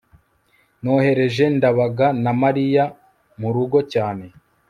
nohereje ndabaga na mariya murugo cyane